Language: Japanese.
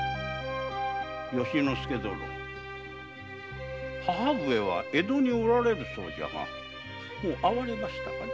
由之助殿母上は江戸におられるそうじゃが会われましたかな？